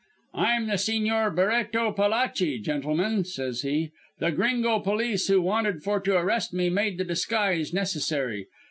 _ "'I'm the Sigñor Barreto Palachi, gentlemen,' says he. 'The gringo police who wanted for to arrest me made the disguise necessary.